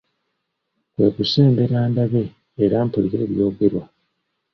Kwe kusembera ndabe era mpulire ebyogerwa.